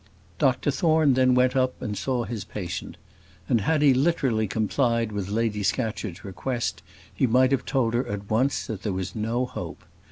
Dr Thorne then went up and saw his patient; and had he literally complied with Lady Scatcherd's request, he might have told her at once that there was no hope.